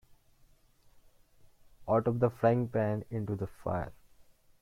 Out of the frying-pan into the fire.